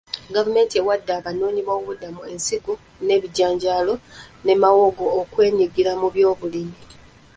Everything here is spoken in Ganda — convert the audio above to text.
Gavumenti ewadde abanoonyi b'obubuddamu ensigo z'ebijanjalo ne mawongo okwenyigira mu by'obulimi.